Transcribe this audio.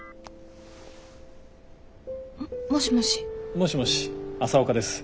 もしもし朝岡です。